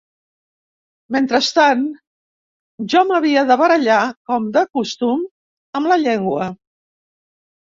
Mentrestant, jo m'havia de barallar, com de costum, amb la llengua